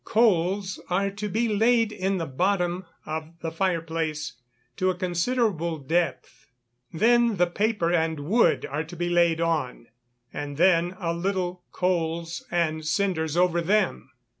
Coals are to be laid in the bottom of the fire place to a considerable depth, then the paper and wood are to be laid on, and then a little coals and cinders over them.